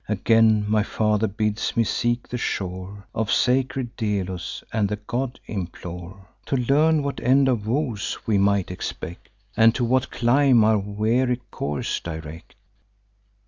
Again my father bids me seek the shore Of sacred Delos, and the god implore, To learn what end of woes we might expect, And to what clime our weary course direct.